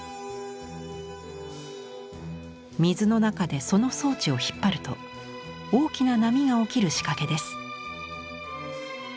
水の中でその装置を引っ張ると大きな波が起きる仕掛けです。